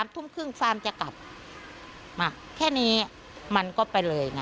ทุ่มครึ่งฟาร์มจะกลับมาแค่นี้มันก็ไปเลยไง